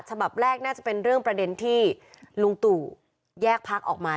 ฉบับแรกน่าจะเป็นเรื่องประเด็นที่ลุงตู่แยกพักออกมา